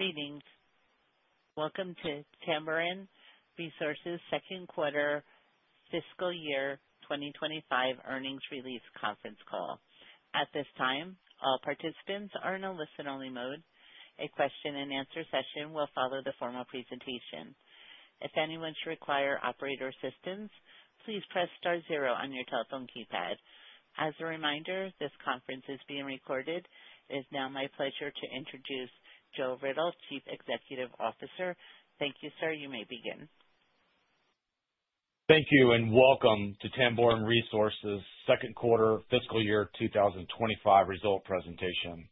Greetings. Welcome to Tamboran Resources' second quarter fiscal year 2025 earnings release conference call. At this time, all participants are in a listen-only mode. A question-and-answer session will follow the formal presentation. If anyone should require operator assistance, please press star zero on your telephone keypad. As a reminder, this conference is being recorded. It is now my pleasure to introduce Joel Riddle, Chief Executive Officer. Thank you, sir. You may begin. Thank you and welcome to Tamboran Resources' second quarter fiscal year 2025 result presentation.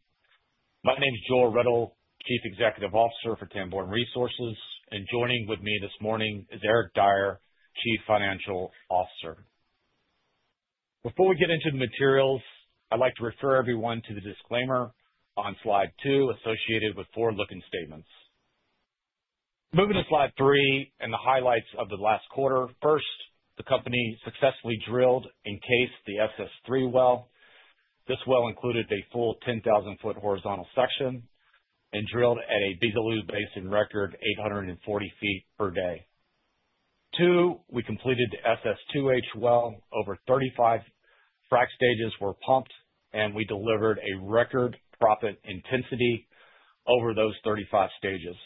My name is Joel Riddle, Chief Executive Officer for Tamboran Resources, and joining with me this morning is Eric Dyer, Chief Financial Officer. Before we get into the materials, I'd like to refer everyone to the disclaimer on slide two associated with forward-looking statements. Moving to slide three and the highlights of the last quarter. First, the company successfully drilled and cased the SS-3 well. This well included a full 10,000 ft horizontal section and drilled at a Beetaloo Basin record 840 ft per day. Two, we completed the SS-2H well. Over 35 frac stages were pumped, and we delivered a record proppant intensity over those 35 stages.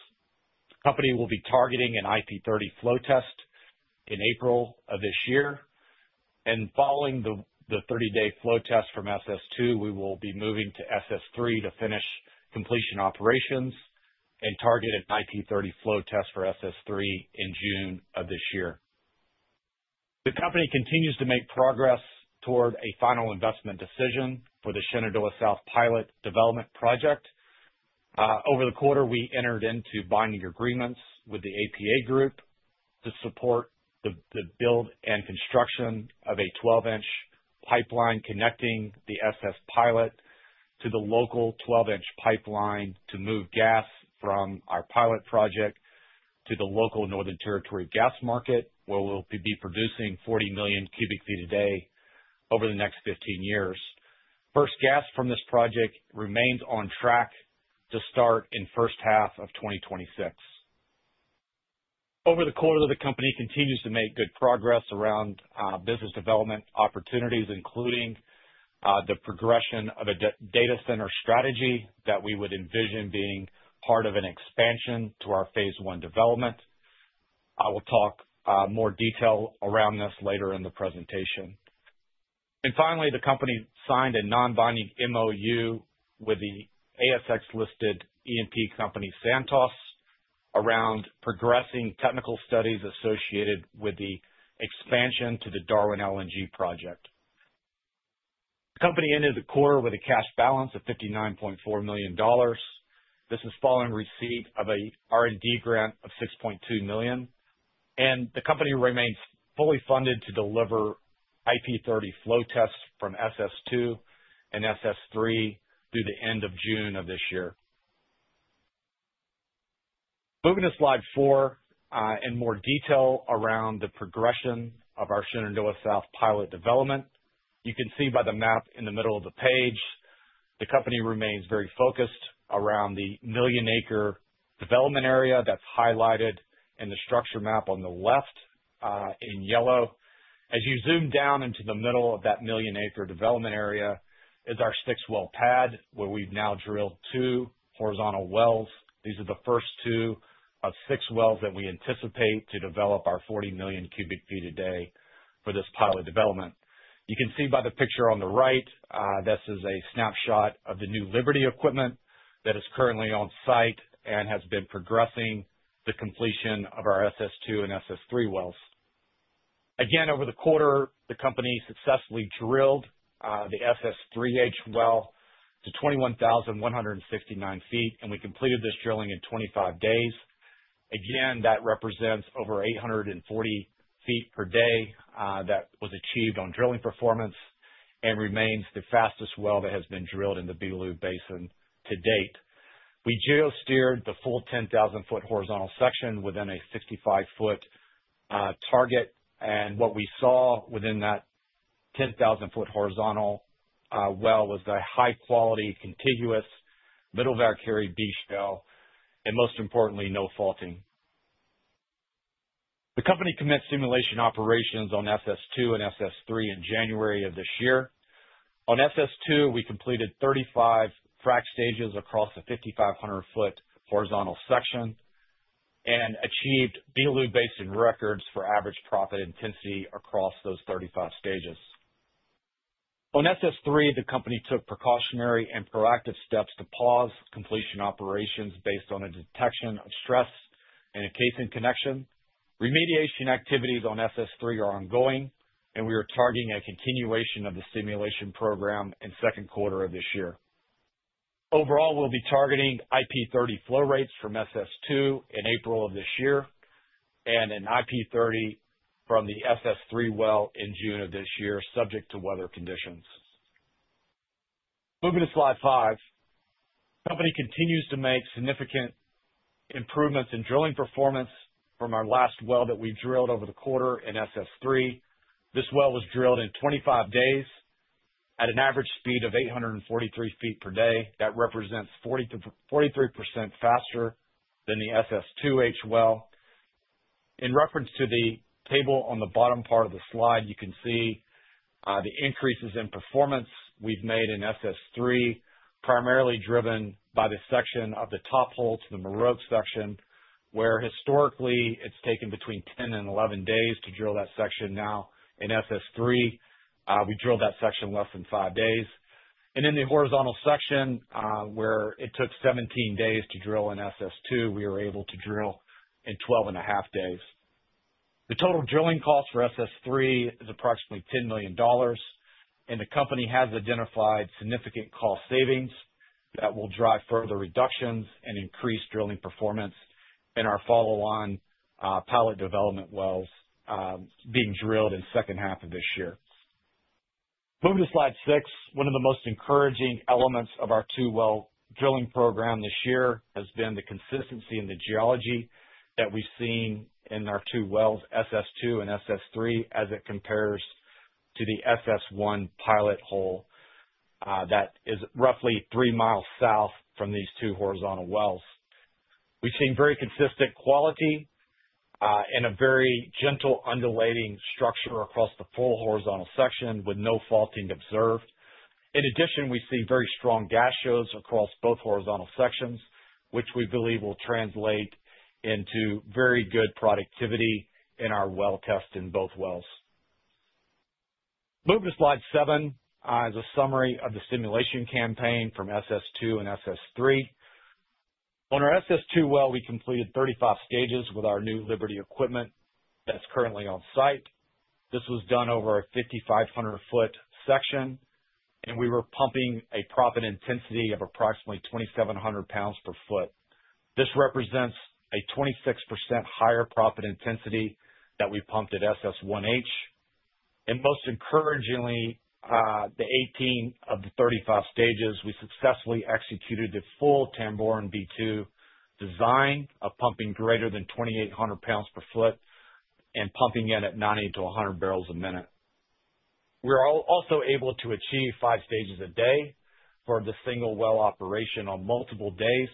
The company will be targeting an IP30 flow test in April of this year. Following the 30-day flow test from SS-2, we will be moving to SS-3 to finish completion operations and target an IP30 flow test for SS-3 in June of this year. The company continues to make progress toward a final investment decision for the Shenandoah South Pilot development project. Over the quarter, we entered into binding agreements with the APA Group to support the build and construction of a 12 in pipeline connecting the SS pilot to the local 12 in pipeline to move gas from our pilot project to the local Northern Territory gas market, where we'll be producing 40 million cu ft a day over the next 15 years. First gas from this project remains on track to start in the first half of 2026. Over the quarter, the company continues to make good progress around business development opportunities, including the progression of a data center strategy that we would envision being part of an expansion to our Phase 1 development. I will talk more detail around this later in the presentation. And finally, the company signed a non-binding MOU with the ASX-listed E&P company, Santos, around progressing technical studies associated with the expansion to the Darwin LNG project. The company entered the quarter with a cash balance of $59.4 million. This is following receipt of an R&D grant of $6.2 million. And the company remains fully funded to deliver IP30 flow tests from SS-2 and SS-3 through the end of June of this year. Moving to slide four and more detail around the progression of our Shenandoah South Pilot development. You can see by the map in the middle of the page, the company remains very focused around the million-acre development area that's highlighted in the structure map on the left in yellow. As you zoom down into the middle of that million-acre development area is our six-well pad, where we've now drilled two horizontal wells. These are the first two of six wells that we anticipate to develop our 40 million cu ft a day for this pilot development. You can see by the picture on the right, this is a snapshot of the new Liberty equipment that is currently on site and has been progressing the completion of our SS-2 and SS-3 wells. Again, over the quarter, the company successfully drilled the SS-3H well to 21,169 ft, and we completed this drilling in 25 days. Again, that represents over 840 ft per day that was achieved on drilling performance and remains the fastest well that has been drilled in the Beetaloo Basin to date. We geo-steered the full 10,000 ft horizontal section within a 65 ft target, and what we saw within that 10,000 ft horizontal well was a high-quality contiguous Mid Velkerri B Shale and, most importantly, no faulting. The company commenced stimulation operations on SS-2 and SS-3 in January of this year. On SS-2, we completed 35 frac stages across a 5,500 ft horizontal section and achieved Beetaloo Basin records for average proppant intensity across those 35 stages. On SS-3, the company took precautionary and proactive steps to pause completion operations based on a detection of stress shadowing and a casing connection. Remediation activities on SS-3 are ongoing, and we are targeting a continuation of the stimulation program in the second quarter of this year. Overall, we'll be targeting IP30 flow rates from SS-2 in April of this year and an IP30 from the SS-3 well in June of this year, subject to weather conditions. Moving to slide five, the company continues to make significant improvements in drilling performance from our last well that we drilled over the quarter in SS-3. This well was drilled in 25 days at an average speed of 843 ft per day. That represents 43% faster than the SS-2H well. In reference to the table on the bottom part of the slide, you can see the increases in performance we've made in SS-3, primarily driven by the section of the top hole to the Moroak section, where historically it's taken between 10 and 11 days to drill that section. Now, in SS-3, we drilled that section in less than five days. And in the horizontal section, where it took 17 days to drill in SS-2, we were able to drill in 12 and a half days. The total drilling cost for SS-3 is approximately $10 million, and the company has identified significant cost savings that will drive further reductions and increase drilling performance in our follow-on pilot development wells being drilled in the second half of this year. Moving to slide six, one of the most encouraging elements of our two-well drilling program this year has been the consistency in the geology that we've seen in our two wells, SS-2 and SS-3, as it compares to the SS-1 pilot hole that is roughly three miles south from these two horizontal wells. We've seen very consistent quality and a very gentle, undulating structure across the full horizontal section with no faulting observed. In addition, we see very strong gas shows across both horizontal sections, which we believe will translate into very good productivity in our well test in both wells. Moving to slide seven as a summary of the stimulation campaign from SS-2 and SS-3. On our SS-2 well, we completed 35 stages with our new Liberty equipment that's currently on site. This was done over a 5,500 ft section, and we were pumping a proppant intensity of approximately 2,700 lbs per ft. This represents a 26% higher proppant intensity than we pumped at SS-1H. And most encouragingly, in 18 of the 35 stages, we successfully executed the full Tamboran V2 design of pumping greater than 2,800 lbs per ft and pumping in at 90 bbl-100 bbl a minute. We were also able to achieve five stages a day for the single well operation on multiple days,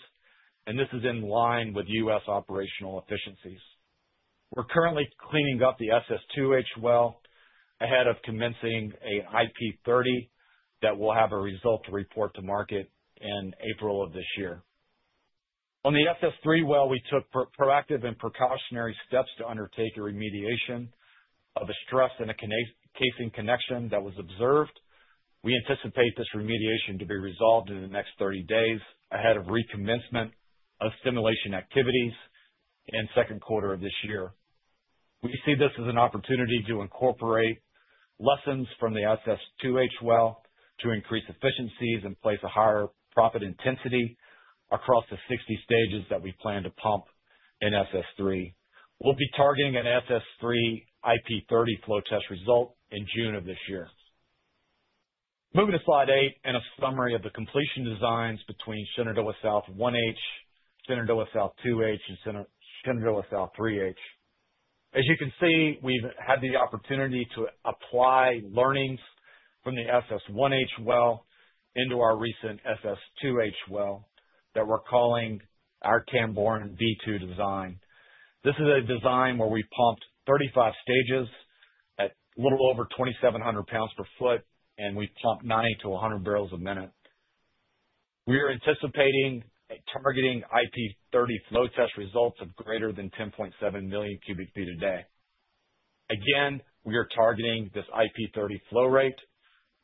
and this is in line with U.S. operational efficiencies. We're currently cleaning up the SS-2H well ahead of commencing an IP30 that will have a result to report to market in April of this year. On the SS-3 well, we took proactive and precautionary steps to undertake a remediation of stress shadowing and a casing connection that was observed. We anticipate this remediation to be resolved in the next 30 days ahead of recommencement of stimulation activities in the second quarter of this year. We see this as an opportunity to incorporate lessons from the SS-2H well to increase efficiencies and place a higher proppant intensity across the 60 stages that we plan to pump in SS-3. We'll be targeting an SS-3 IP30 flow test result in June of this year. Moving to slide eight and a summary of the completion designs between Shenandoah South 1H, Shenandoah South 2H, and Shenandoah South 3H. As you can see, we've had the opportunity to apply learnings from the SS-1H well into our recent SS-2H well that we're calling our Tamboran V2 design. This is a design where we pumped 35 stages at a little over 2,700 lbs per ft, and we pumped 90 bbl-100 bbl a minute. We are anticipating targeting IP30 flow test results of greater than 10.7 million cu ft a day. Again, we are targeting this IP30 flow rate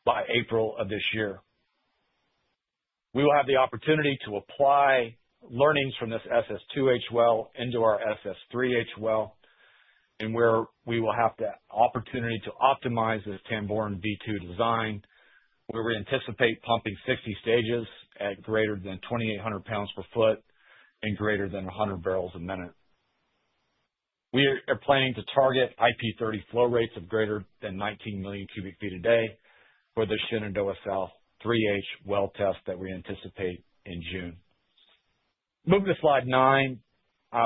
by April of this year. We will have the opportunity to apply learnings from this SS-2H well into our SS-3H well, and we will have the opportunity to optimize this Tamboran V2 design, where we anticipate pumping 60 stages at greater than 2,800 lbs per ft and greater than 100 bbl a minute. We are planning to target IP30 flow rates of greater than 19 million cu ft a day for the Shenandoah South 3H well test that we anticipate in June. Moving to slide nine,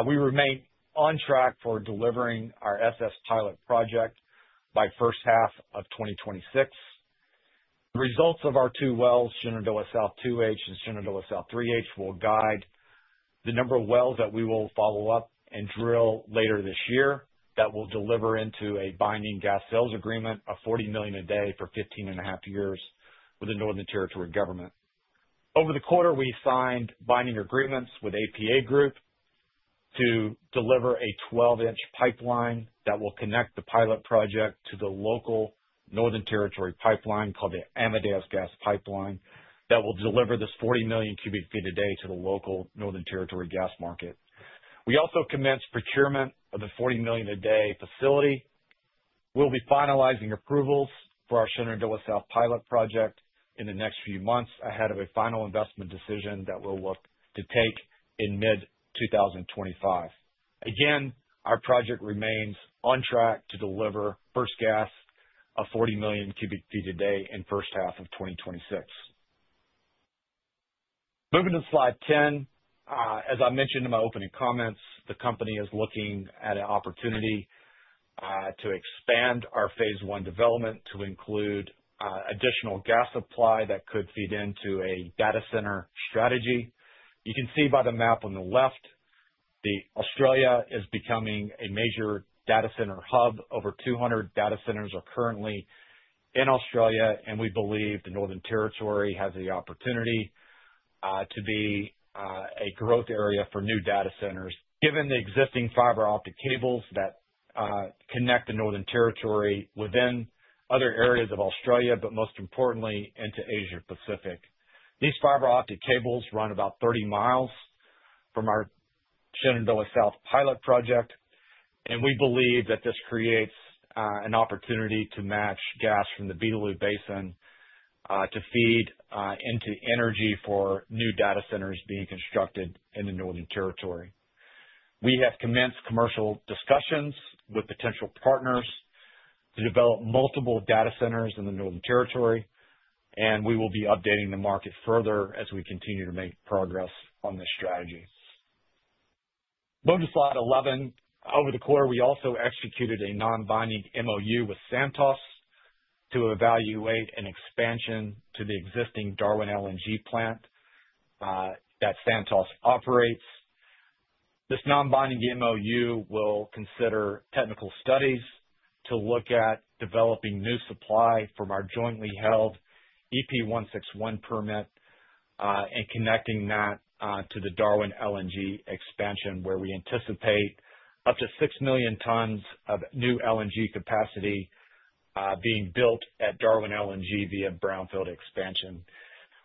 we remain on track for delivering our SS pilot project by the first half of 2026. The results of our two wells, Shenandoah South 2H and Shenandoah South 3H, will guide the number of wells that we will follow up and drill later this year that will deliver into a binding gas sales agreement of 40 million a day for 15 and a half years with the Northern Territory government. Over the quarter, we signed binding agreements with the APA Group to deliver a 12 in pipeline that will connect the pilot project to the local Northern Territory pipeline called the Amadeus Gas Pipeline that will deliver this 40 million cu ft a day to the local Northern Territory gas market. We also commenced procurement of the 40 million a day facility. We'll be finalizing approvals for our Shenandoah South Pilot project in the next few months ahead of a final investment decision that we'll look to take in mid-2025. Again, our project remains on track to deliver first gas of 40 million cu ft a day in the first half of 2026. Moving to slide 10, as I mentioned in my opening comments, the company is looking at an opportunity to expand our Phase 1 development to include additional gas supply that could feed into a data center strategy. You can see by the map on the left, Australia is becoming a major data center hub. Over 200 data centers are currently in Australia, and we believe the Northern Territory has the opportunity to be a growth area for new data centers, given the existing fiber optic cables that connect the Northern Territory within other areas of Australia, but most importantly, into Asia-Pacific. These fiber optic cables run about 30 mi from our Shenandoah South Pilot project, and we believe that this creates an opportunity to match gas from the Beetaloo Basin to feed into energy for new data centers being constructed in the Northern Territory. We have commenced commercial discussions with potential partners to develop multiple data centers in the Northern Territory, and we will be updating the market further as we continue to make progress on this strategy. Moving to slide 11, over the quarter, we also executed a non-binding MOU with Santos to evaluate an expansion to the existing Darwin LNG plant that Santos operates. This non-binding MOU will consider technical studies to look at developing new supply from our jointly held EP 161 permit and connecting that to the Darwin LNG expansion, where we anticipate up to six million tons of new LNG capacity being built at Darwin LNG via brownfield expansion.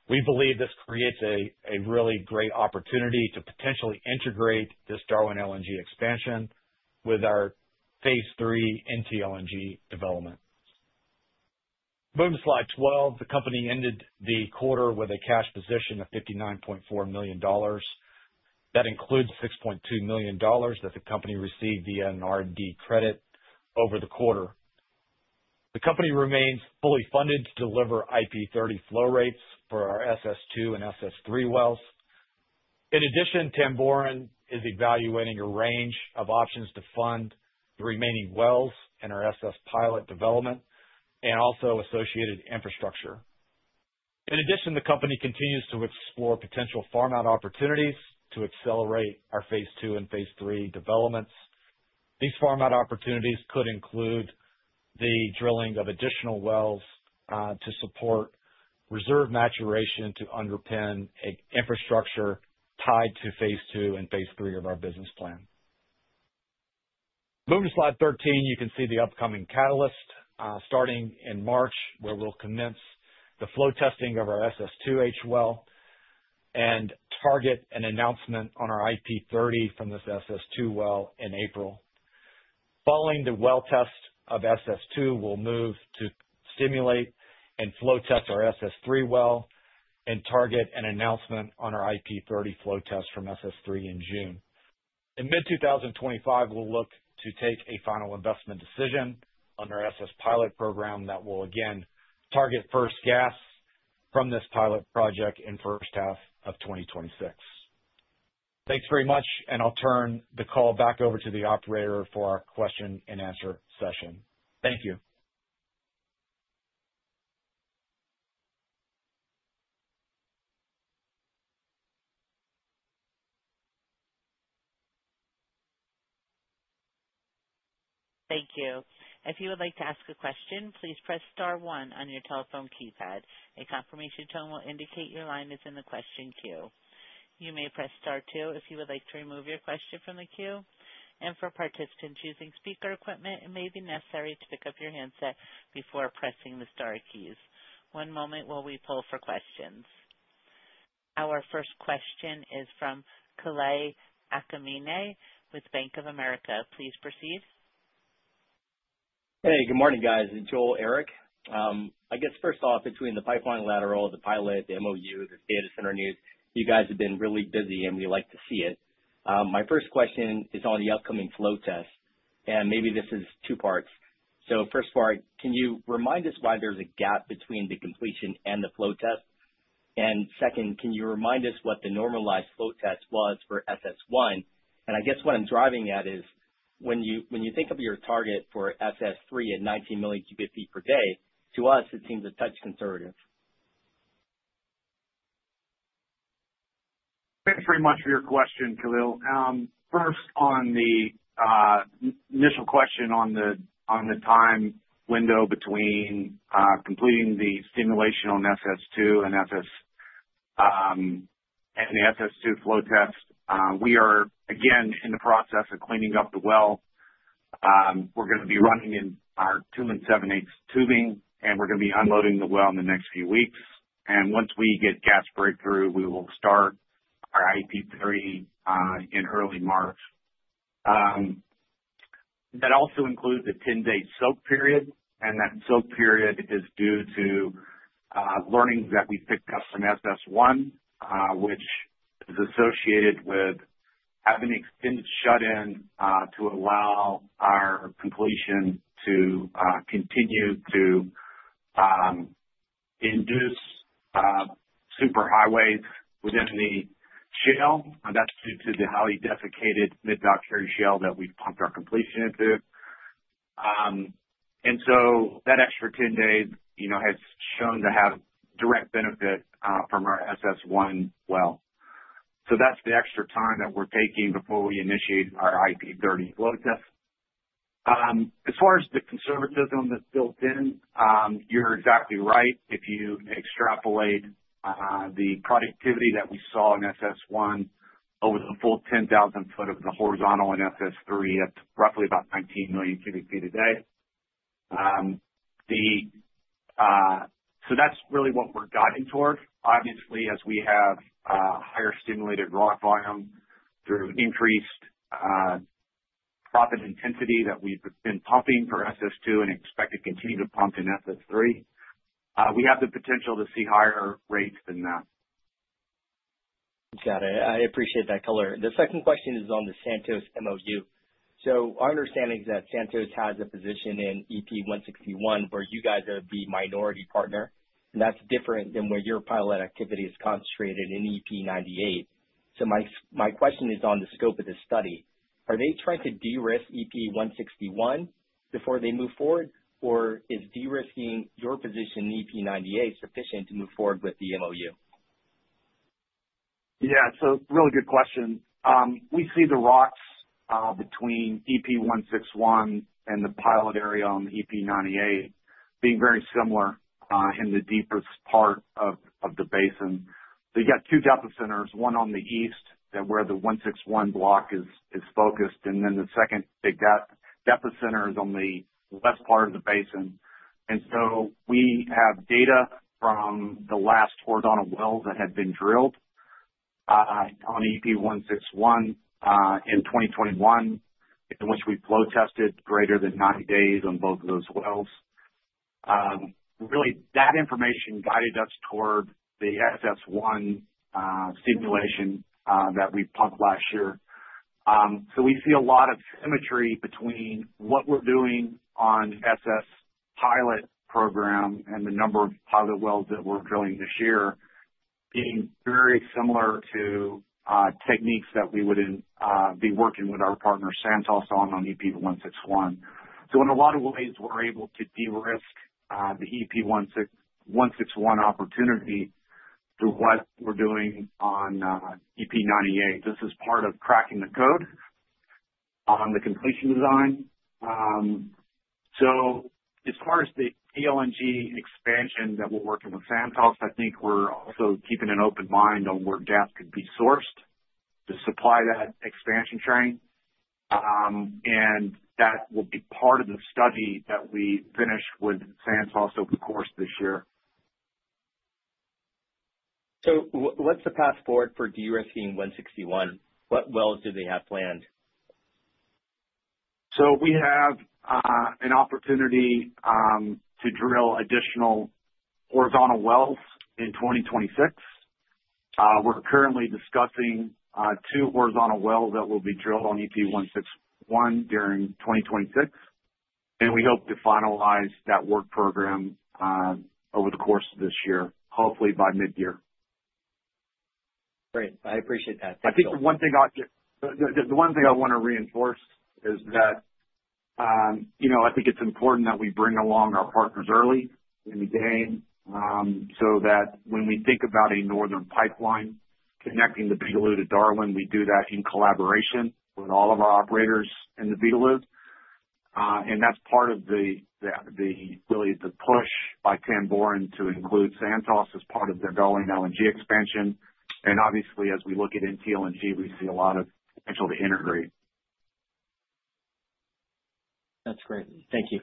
We believe this creates a really great opportunity to potentially integrate this Darwin LNG expansion with our Phase 3 NTLNG development. Moving to slide 12, the company ended the quarter with a cash position of $59.4 million. That includes $6.2 million that the company received via an R&D credit over the quarter. The company remains fully funded to deliver IP30 flow rates for our SS-2 and SS-3 wells. In addition, Tamboran is evaluating a range of options to fund the remaining wells in our SS pilot development and also associated infrastructure. In addition, the company continues to explore potential farm-out opportunities to accelerate our Phase 2 and Phase 3 developments. These farm-out opportunities could include the drilling of additional wells to support reserve maturation to underpin infrastructure tied to Phase 2 and Phase 3 of our business plan. Moving to slide 13, you can see the upcoming catalyst starting in March, where we'll commence the flow testing of our SS-2H well and target an announcement on our IP30 from this SS-2 well in April. Following the well test of SS-2, we'll move to stimulate and flow test our SS-3 well and target an announcement on our IP30 flow test from SS-3 in June. In mid-2025, we'll look to take a final investment decision on our SS pilot program that will again target first gas from this pilot project in the first half of 2026. Thanks very much, and I'll turn the call back over to the operator for our question and answer session. Thank you. Thank you. If you would like to ask a question, please press star one on your telephone keypad. A confirmation tone will indicate your line is in the question queue. You may press star two if you would like to remove your question from the queue. And for participants using speaker equipment, it may be necessary to pick up your handset before pressing the star keys. One moment while we pull for questions. Our first question is from Kalei Akamine with Bank of America. Please proceed. Hey, good morning, guys. It's Joel, Eric. I guess, first off, between the pipeline lateral, the pilot, the MOU, the data center news, you guys have been really busy, and we like to see it. My first question is on the upcoming flow test, and maybe this is two parts. So first part, can you remind us why there's a gap between the completion and the flow test? And second, can you remind us what the normalized flow test was for SS-1? And I guess what I'm driving at is when you think of your target for SS-3 at 19 million cu ft per day, to us, it seems a touch conservative. Thanks very much for your question, Kalei. First, on the initial question on the time window between completing the stimulation on SS-2 and the SS-2 flow test, we are again in the process of cleaning up the well. We're going to be running in our 2 7/8 in tubing, and we're going to be unloading the well in the next few weeks. Once we get gas breakthrough, we will start our IP30 in early March. That also includes a 10-day soak period, and that soak period is due to learnings that we picked up from SS-1, which is associated with having extended shut-in to allow our completion to continue to induce superhighways within the shale. That's due to the highly desiccated Mid Velkerri B Shale that we've pumped our completion into. That extra 10 days has shown to have direct benefit from our SS-1 well. So that's the extra time that we're taking before we initiate our IP30 flow test. As far as the conservatism that's built in, you're exactly right. If you extrapolate the productivity that we saw in SS-1 over the full 10,000 ft horizontal in SS-3 at roughly about 19 million cu ft a day, so that's really what we're guiding toward. Obviously, as we have higher stimulated rock volume through increased proppant intensity that we've been pumping for SS-2 and expect to continue to pump in SS-3, we have the potential to see higher rates than that. Got it. I appreciate that color. The second question is on the Santos MOU. So our understanding is that Santos has a position in EP 161 where you guys are the minority partner, and that's different than where your pilot activity is concentrated in EP 98. So my question is on the scope of the study. Are they trying to de-risk EP 161 before they move forward, or is de-risking your position in EP 98 sufficient to move forward with the MOU? Yeah, so really good question. We see the rocks between EP 161 and the pilot area on the EP 98 being very similar in the deepest part of the basin. So you've got two depth centers, one on the east where the 161 block is focused, and then the second big depth center is on the west part of the basin. And so we have data from the last horizontal wells that had been drilled on EP 161 in 2021, in which we flow tested greater than 90 days on both of those wells. Really, that information guided us toward the SS-1 stimulation that we pumped last year. So we see a lot of symmetry between what we're doing on SS pilot program and the number of pilot wells that we're drilling this year being very similar to techniques that we would be working with our partner Santos on EP 161. So in a lot of ways, we're able to de-risk the EP 161 opportunity through what we're doing on EP 98. This is part of cracking the code on the completion design. So as far as the NTLNG expansion that we're working with Santos, I think we're also keeping an open mind on where gas could be sourced to supply that expansion train, and that will be part of the study that we finished with Santos over the course of this year. What's the path forward for de-risking 161? What wells do they have planned? So we have an opportunity to drill additional horizontal wells in 2026. We're currently discussing two horizontal wells that will be drilled on EP 161 during 2026, and we hope to finalize that work program over the course of this year, hopefully by mid-year. Great. I appreciate that. I think the one thing I want to reinforce is that I think it's important that we bring along our partners early in the game so that when we think about a northern pipeline connecting the Beetaloo to Darwin, we do that in collaboration with all of our operators in the Beetaloo, and that's part of the push by Tamboran to include Santos as part of their Darwin LNG expansion, and obviously, as we look at NTLNG, we see a lot of potential to integrate. That's great. Thank you.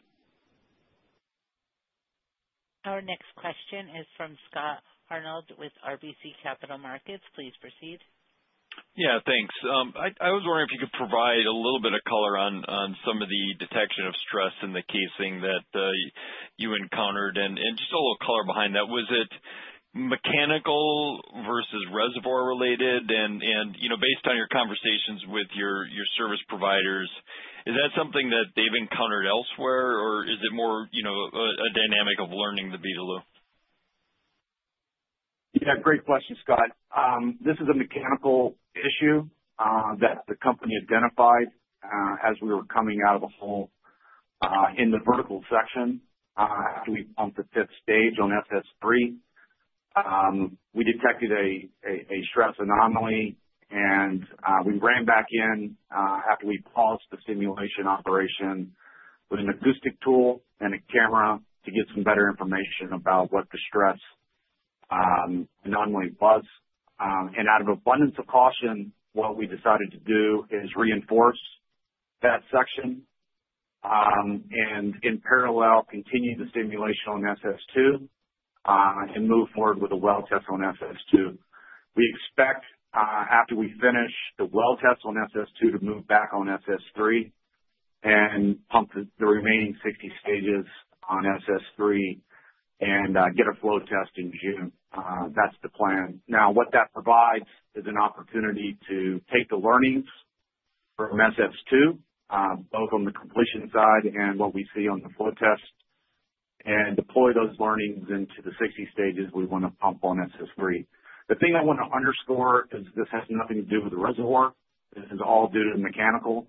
Our next question is from Scott Hanold with RBC Capital Markets. Please proceed. Yeah, thanks. I was wondering if you could provide a little bit of color on some of the detection of stress in the casing that you encountered and just a little color behind that. Was it mechanical versus reservoir-related? Based on your conversations with your service providers, is that something that they've encountered elsewhere, or is it more a dynamic of learning the Beetaloo? Yeah, great question, Scott. This is a mechanical issue that the company identified as we were coming out of a hole in the vertical section after we pumped the fifth stage on SS-3. We detected a stress anomaly, and we ran back in after we paused the stimulation operation with an acoustic tool and a camera to get some better information about what the stress anomaly was. Out of abundance of caution, what we decided to do is reinforce that section and in parallel continue the stimulation on SS-2 and move forward with the well test on SS-2. We expect after we finish the well test on SS-2 to move back on SS-3 and pump the remaining 60 stages on SS-3 and get a flow test in June. That's the plan. Now, what that provides is an opportunity to take the learnings from SS-2, both on the completion side and what we see on the flow test, and deploy those learnings into the 60 stages we want to pump on SS-3. The thing I want to underscore is this has nothing to do with the reservoir. This is all due to the mechanical.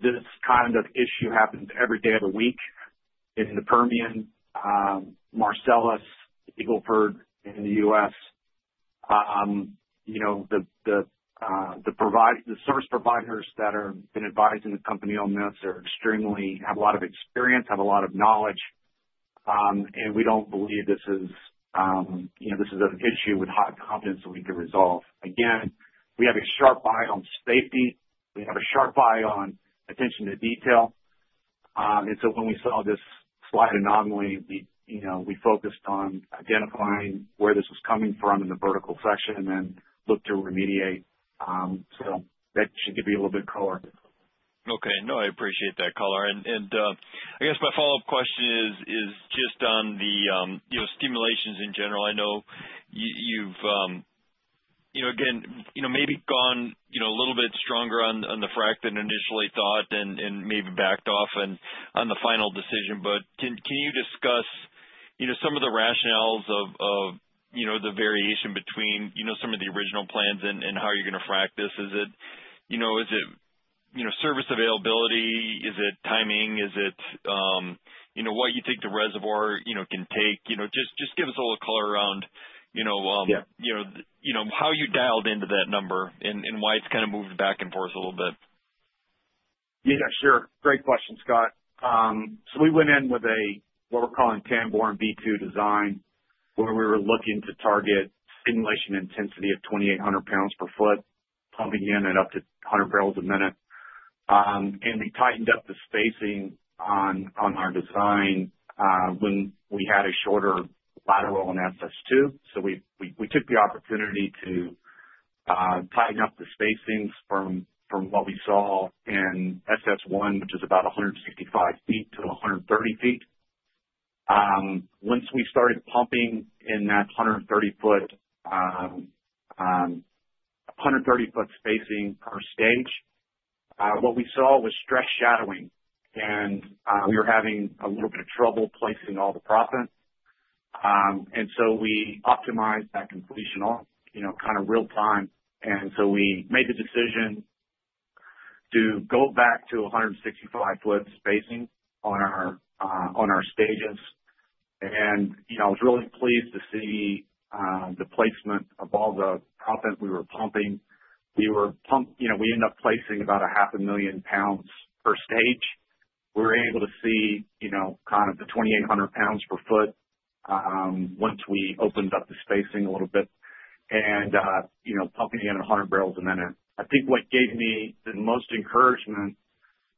This kind of issue happens every day of the week in the Permian, Marcellus, Eagle Ford in the U.S. The service providers that have been advising the company on this have a lot of experience, have a lot of knowledge, and we don't believe this is an issue with high confidence that we can resolve. Again, we have a sharp eye on safety. We have a sharp eye on attention to detail. And so when we saw this slight anomaly, we focused on identifying where this was coming from in the vertical section and looked to remediate. So that should give you a little bit of color. Okay. No, I appreciate that color. And I guess my follow-up question is just on the stimulations in general. I know you've, again, maybe gone a little bit stronger on the frac than initially thought and maybe backed off on the final decision. But can you discuss some of the rationales of the variation between some of the original plans and how you're going to frac this? Is it service availability? Is it timing? Is it what you think the reservoir can take? Just give us a little color around how you dialed into that number and why it's kind of moved back and forth a little bit. Yeah, sure. Great question, Scott. So we went in with a what we're calling Tamboran V2 design where we were looking to target stimulation intensity of 2,800 lbs per ft, pumping unit up to 100 bbl a minute, and we tightened up the spacing on our design when we had a shorter lateral on SS-2, so we took the opportunity to tighten up the spacings from what we saw in SS-1, which is about 165 ft-130 ft. Once we started pumping in that 130 ft spacing per stage, what we saw was stress shadowing, and we were having a little bit of trouble placing all the proppant, and so we optimized that completion kind of real time, and so we made the decision to go back to 165 ft spacing on our stages, and I was really pleased to see the placement of all the proppant we were pumping. We ended up placing about 500,000 lbs per stage. We were able to see kind of the 2,800 lbs per ft once we opened up the spacing a little bit and pumping in 100 bbl a minute. I think what gave me the most encouragement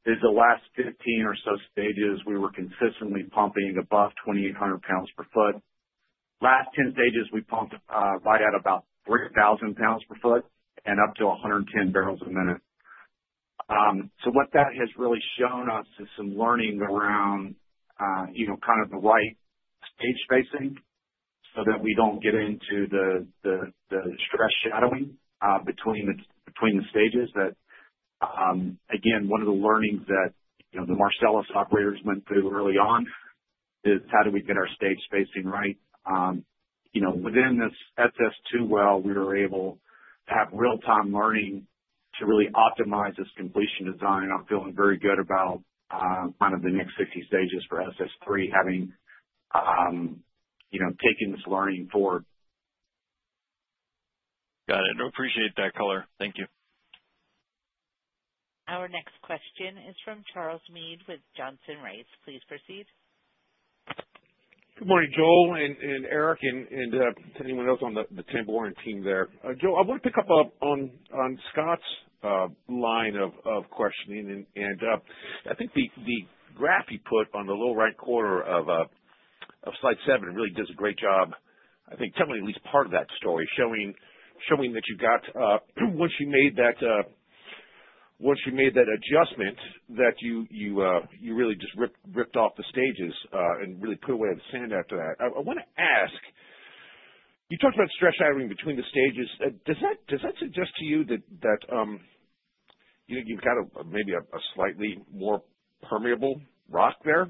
is the last 15 or so stages we were consistently pumping above 2,800 lbs per ft. Last 10 stages, we pumped right at about 3,000 lbs per ft and up to 110 bbl a minute. So what that has really shown us is some learning around kind of the right stage spacing so that we don't get into the stress shadowing between the stages. Again, one of the learnings that the Marcellus operators went through early on is how do we get our stage spacing right. Within this SS-2 well, we were able to have real-time learning to really optimize this completion design. I'm feeling very good about kind of the next 60 stages for SS-3, taking this learning forward. Got it. Appreciate that color. Thank you. Our next question is from Charles Meade with Johnson Rice. Please proceed. Good morning, Joel and Eric and to anyone else on the Tamboran team there. Joel, I want to pick up on Scott's line of questioning. And I think the graph he put on the lower right corner of slide seven really does a great job, I think, telling at least part of that story, showing that once you made that adjustment, that you really just ripped off the stages and really put away the sand after that. I want to ask, you talked about stress shadowing between the stages. Does that suggest to you that you've got maybe a slightly more permeable rock there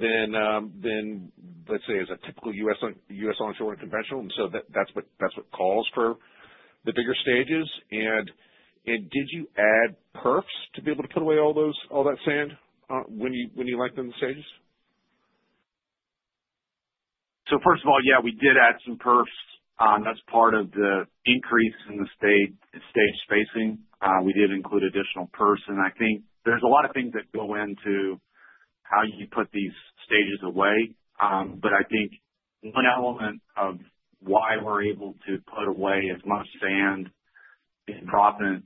than, let's say, as a typical U.S. onshore and conventional? And so that's what calls for the bigger stages. And did you add perfs to be able to put away all that sand when you liked them in the stages? First of all, yeah, we did add some perfs. That's part of the increase in the stage spacing. We did include additional perfs. And I think there's a lot of things that go into how you put these stages away. But I think one element of why we're able to put away as much sand and proppant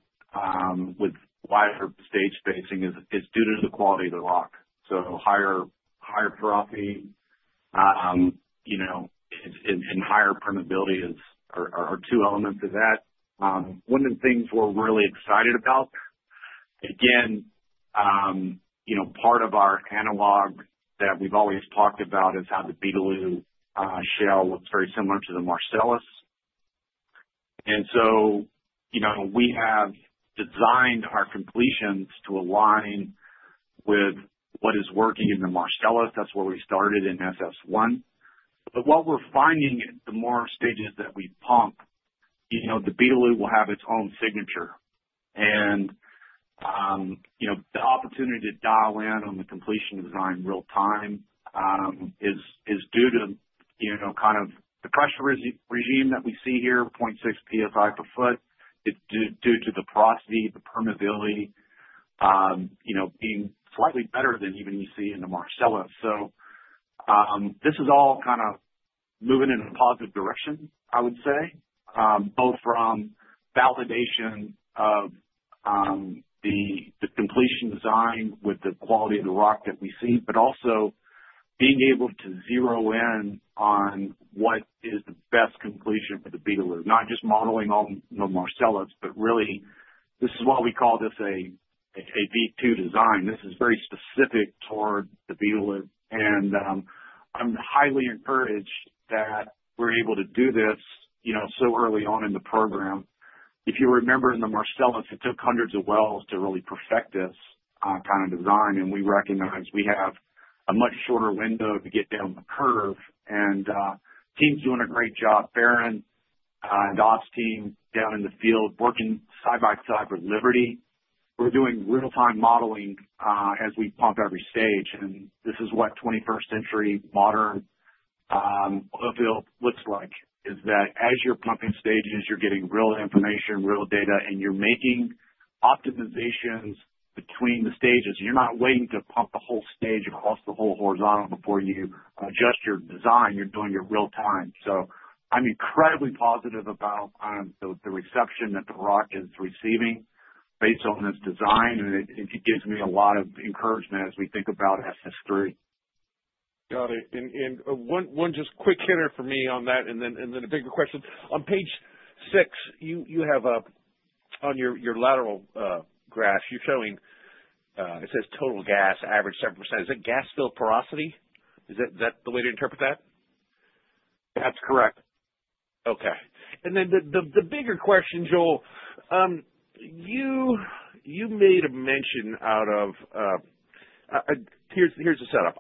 with wider stage spacing is due to the quality of the rock. So higher porosity and higher permeability are two elements of that. One of the things we're really excited about, again, part of our analog that we've always talked about is how the Beetaloo Shale looks very similar to the Marcellus. And so we have designed our completions to align with what is working in the Marcellus. That's where we started in SS-1. But what we're finding is the more stages that we pump, the Beetaloo will have its own signature. And the opportunity to dial in on the completion design real time is due to kind of the pressure regime that we see here, 0.6 PSI per ft, due to the porosity, the permeability being slightly better than even you see in the Marcellus. So this is all kind of moving in a positive direction, I would say, both from validation of the completion design with the quality of the rock that we see, but also being able to zero in on what is the best completion for the Beetaloo, not just modeling on the Marcellus, but really, this is why we call this a V2 design. This is very specific toward the Beetaloo. And I'm highly encouraged that we're able to do this so early on in the program. If you remember in the Marcellus, it took hundreds of wells to really perfect this kind of design. We recognize we have a much shorter window to get down the curve. Teams doing a great job, Beetaloo and Ops team down in the field working side by side with Liberty. We're doing real-time modeling as we pump every stage. This is what 21st-century modern oil field looks like, is that as you're pumping stages, you're getting real information, real data, and you're making optimizations between the stages. You're not waiting to pump the whole stage across the whole horizontal before you adjust your design. You're doing it real time. I'm incredibly positive about the reception that the rock is receiving based on this design. It gives me a lot of encouragement as we think about SS-3. Got it. And one just quick hitter for me on that, and then a bigger question. On page six, you have on your lateral graph, it says total gas average 7%. Is it gas fill porosity? Is that the way to interpret that? That's correct. Okay. And then the bigger question, Joel, you made a mention out of here's the setup.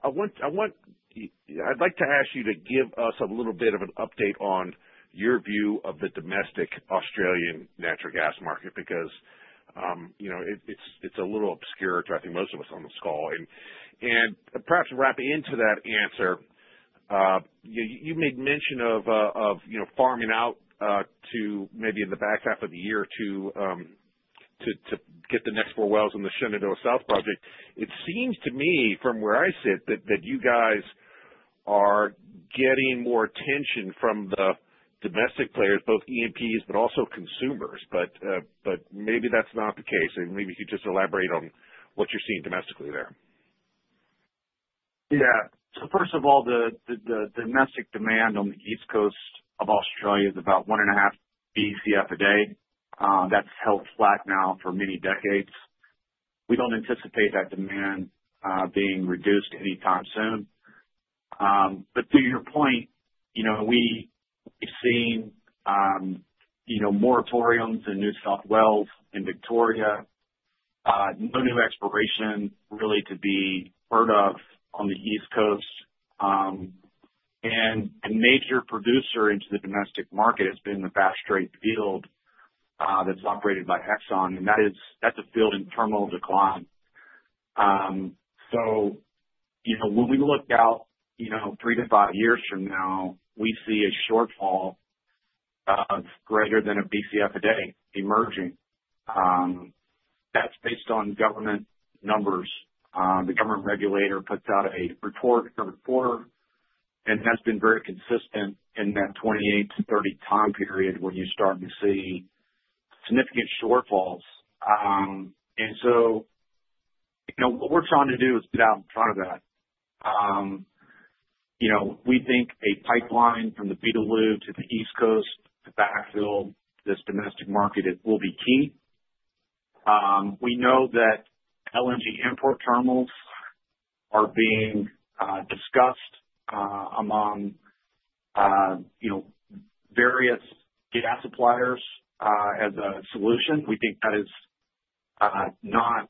I'd like to ask you to give us a little bit of an update on your view of the domestic Australian natural gas market because it's a little obscure to, I think, most of us on the call. And perhaps wrap into that answer, you made mention of farming out to maybe in the back half of the year or two to get the next four wells in the Shenandoah South project. It seems to me, from where I sit, that you guys are getting more attention from the domestic players, both E&Ps, but also consumers. But maybe that's not the case. And maybe you could just elaborate on what you're seeing domestically there. Yeah. So first of all, the domestic demand on the East Coast of Australia is about one and a half BCF a day. That's held flat now for many decades. We don't anticipate that demand being reduced anytime soon. But to your point, we've seen moratoriums in New South Wales and Victoria. No new exploration really to be heard of on the East Coast. And a major producer into the domestic market has been the Bass Strait field that's operated by Exxon. And that's a field in terminal decline. So when we look out three to five years from now, we see a shortfall of greater than a BCF a day emerging. That's based on government numbers. The government regulator puts out a report and has been very consistent in that 2028 to 2030 time period when you start to see significant shortfalls. And so what we're trying to do is get out in front of that. We think a pipeline from the Beetaloo to the East Coast to Bass Strait, this domestic market, will be key. We know that LNG import terminals are being discussed among various gas suppliers as a solution. We think that is not.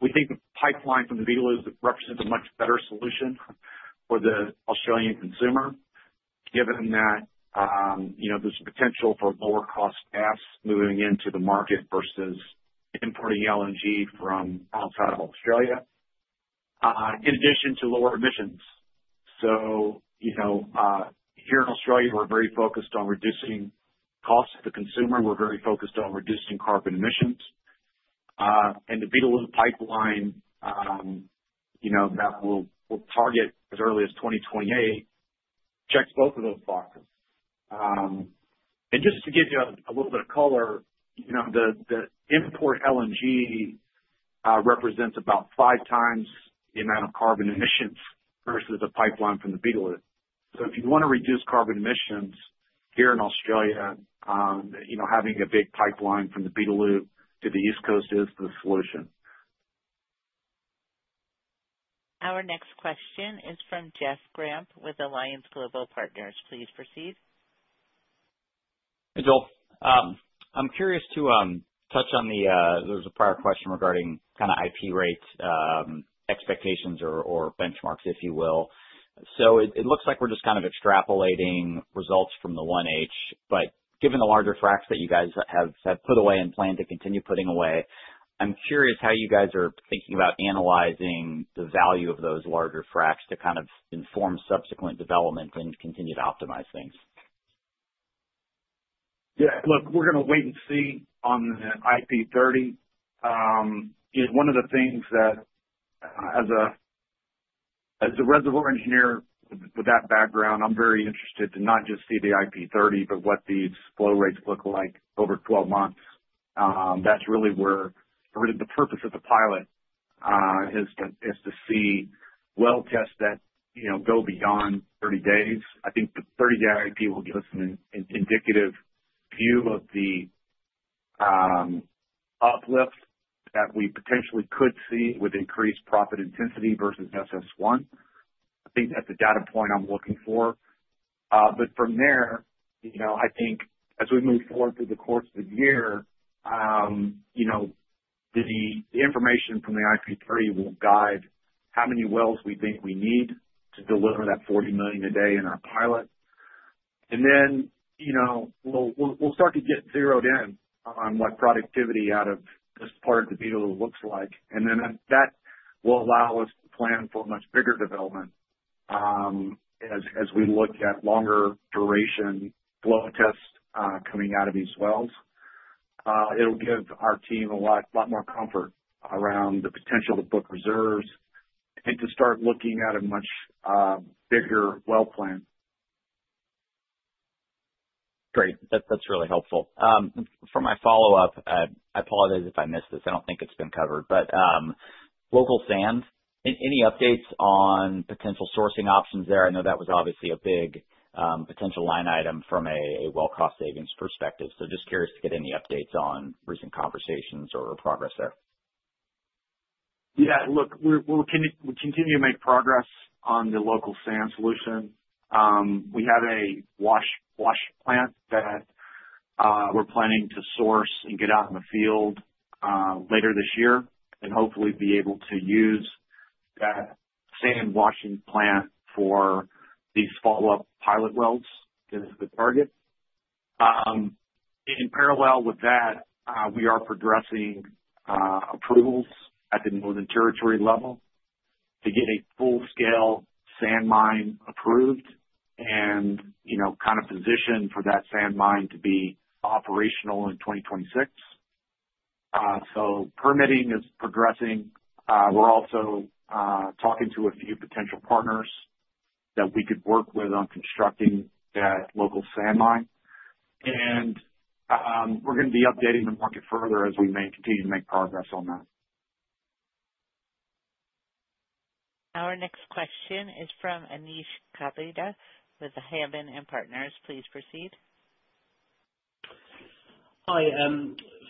We think the pipeline from the Beetaloo represents a much better solution for the Australian consumer, given that there's a potential for lower-cost gas moving into the market versus importing LNG from outside of Australia, in addition to lower emissions. So here in Australia, we're very focused on reducing costs to the consumer. We're very focused on reducing carbon emissions. And the Beetaloo pipeline that we'll target as early as 2028 checks both of those boxes. Just to give you a little bit of color, the imported LNG represents about five times the amount of carbon emissions versus a pipeline from the Beetaloo. If you want to reduce carbon emissions here in Australia, having a big pipeline from the Beetaloo to the East Coast is the solution. Our next question is from Jeff Gramp with Alliance Global Partners. Please proceed. Hey, Joel. I'm curious to touch on. There was a prior question regarding kind of IP rate expectations or benchmarks, if you will. So it looks like we're just kind of extrapolating results from the 1H, but given the larger fracs that you guys have put away and plan to continue putting away, I'm curious how you guys are thinking about analyzing the value of those larger fracs to kind of inform subsequent development and continue to optimize things. Yeah. Look, we're going to wait and see on the IP30. One of the things that, as a reservoir engineer with that background, I'm very interested to not just see the IP30, but what these flow rates look like over 12 months. That's really where the purpose of the pilot is to see well tests that go beyond 30 days. I think the 30-day IP will give us an indicative view of the uplift that we potentially could see with increased proppant intensity versus SS-1. I think that's the data point I'm looking for. But from there, I think as we move forward through the course of the year, the information from the IP30 will guide how many wells we think we need to deliver that 40 million a day in our pilot. And then we'll start to get zeroed in on what productivity out of this part of the Beetaloo looks like. And then that will allow us to plan for much bigger development as we look at longer duration flow tests coming out of these wells. It'll give our team a lot more comfort around the potential to book reserves and to start looking at a much bigger well plan. Great. That's really helpful. For my follow-up, I apologize if I missed this. I don't think it's been covered. But local sand, any updates on potential sourcing options there? I know that was obviously a big potential line item from a well-cost savings perspective. So just curious to get any updates on recent conversations or progress there. Yeah. Look, we continue to make progress on the local sand solution. We have a wash plant that we're planning to source and get out in the field later this year and hopefully be able to use that sand washing plant for these follow-up pilot wells as the target. In parallel with that, we are progressing approvals at the Northern Territory level to get a full-scale sand mine approved and kind of positioned for that sand mine to be operational in 2026. So permitting is progressing. We're also talking to a few potential partners that we could work with on constructing that local sand mine, and we're going to be updating the market further as we continue to make progress on that. Our next question is from Anish Kapadia with Hannam & Partners. Please proceed. Hi.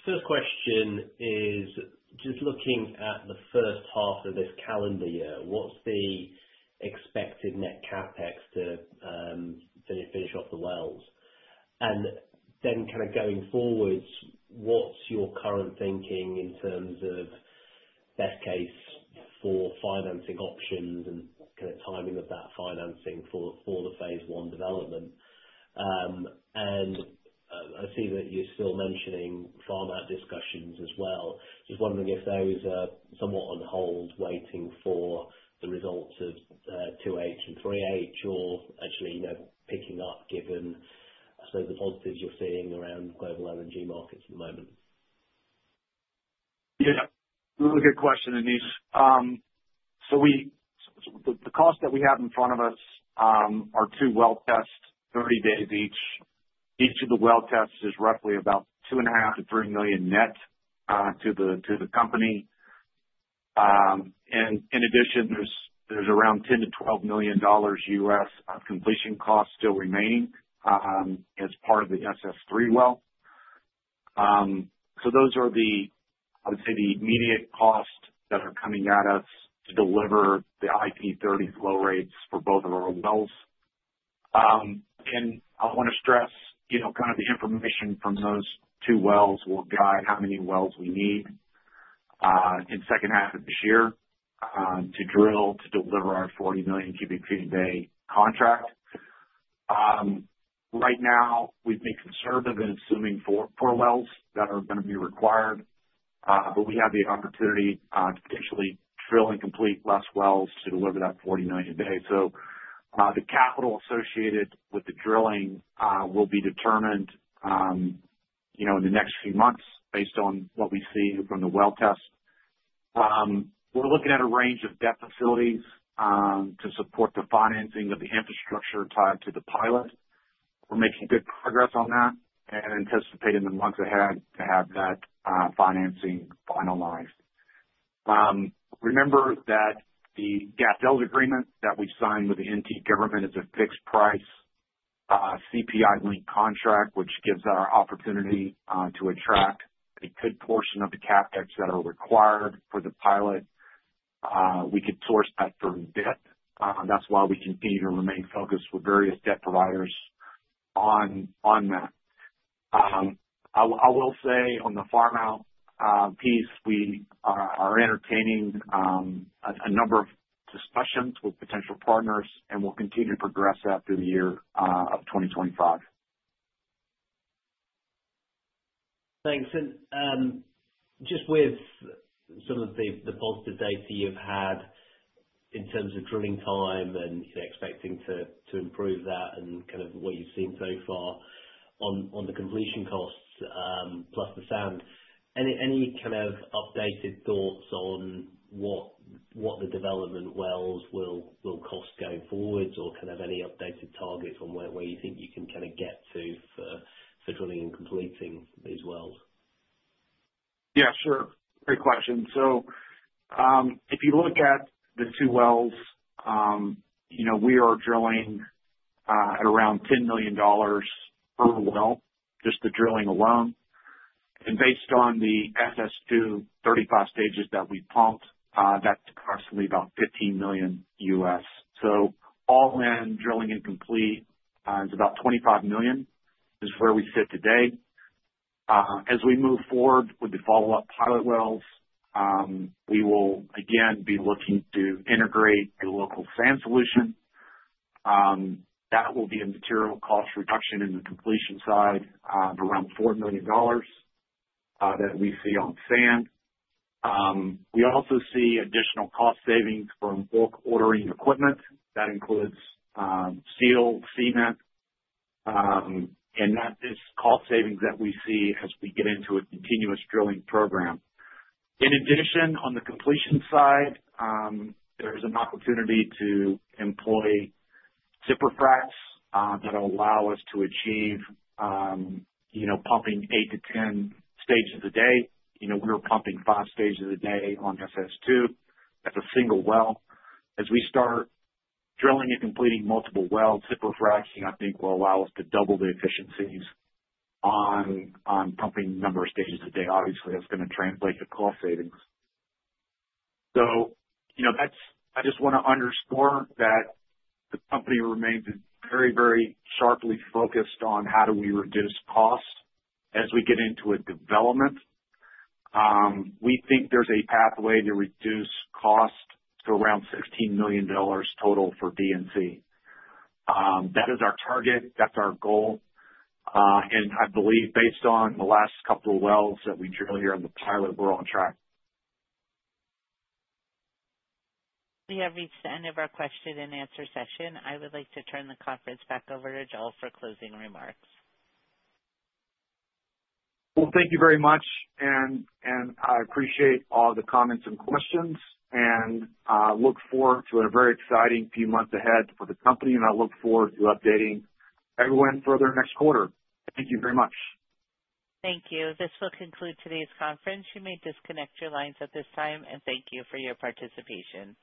First question is just looking at the first half of this calendar year, what's the expected net CapEx to finish off the wells? And then kind of going forwards, what's your current thinking in terms of best case for financing options and kind of timing of that financing for the Phase 1 development? And I see that you're still mentioning farm out discussions as well. Just wondering if those are somewhat on hold waiting for the results of 2H and 3H or actually picking up given some of the positives you're seeing around global LNG markets at the moment. Yeah. Really good question, Anish. So the costs that we have in front of us are two well tests, 30 days each. Each of the well tests is roughly about $2.5 million-$3 million net to the company. And in addition, there's around $10 million-$12 million of completion costs still remaining as part of the SS-3 well. So those are, I would say, the immediate costs that are coming at us to deliver the IP30 flow rates for both of our wells. And I want to stress kind of the information from those two wells will guide how many wells we need in the second half of this year to drill to deliver our 40 million cu ft a day contract. Right now, we've been conservative in assuming four wells that are going to be required, but we have the opportunity to potentially drill and complete less wells to deliver that 40 million a day. So the capital associated with the drilling will be determined in the next few months based on what we see from the well tests. We're looking at a range of debt facilities to support the financing of the infrastructure tied to the pilot. We're making good progress on that and anticipating the months ahead to have that financing finalized. Remember that the gas sales agreement that we signed with the NT government is a fixed-price CPI-linked contract, which gives our opportunity to attract a good portion of the CapEx that are required for the pilot. We could source that through debt. That's why we continue to remain focused with various debt providers on that. I will say on the farm out piece, we are entertaining a number of discussions with potential partners, and we'll continue to progress after the year of 2025. Thanks. And just with some of the positive data you've had in terms of drilling time and expecting to improve that and kind of what you've seen so far on the completion costs plus the sand, any kind of updated thoughts on what the development wells will cost going forwards or kind of any updated targets on where you think you can kind of get to for drilling and completing these wells? Yeah, sure. Great question. So if you look at the two wells, we are drilling at around $10 million per well, just the drilling alone. And based on the SS-2 35 stages that we pumped, that's approximately about $15 million. So all-in drilling and completions is about $25 million is where we sit today. As we move forward with the follow-up pilot wells, we will again be looking to integrate a local sand solution. That will be a material cost reduction in the completion side of around $4 million that we see on sand. We also see additional cost savings from bulk ordering equipment. That includes steel, cement, and these cost savings that we see as we get into a continuous drilling program. In addition, on the completion side, there's an opportunity to employ zipper fracs that will allow us to achieve pumping 8-10 stages a day. We were pumping five stages a day on SS-2. That's a single well. As we start drilling and completing multiple wells, zipper fracs, I think, will allow us to double the efficiencies on pumping a number of stages a day. Obviously, that's going to translate to cost savings. So I just want to underscore that the company remains very, very sharply focused on how do we reduce costs as we get into a development. We think there's a pathway to reduce costs to around $16 million total for D&C. That is our target. That's our goal. And I believe based on the last couple of wells that we drill here in the pilot, we're on track. We have reached the end of our question-and-answer session. I would like to turn the conference back over to Joel for closing remarks. Thank you very much. I appreciate all the comments and questions. I look forward to a very exciting few months ahead for the company. I look forward to updating everyone further next quarter. Thank you very much. Thank you. This will conclude today's conference. You may disconnect your lines at this time. And thank you for your participation.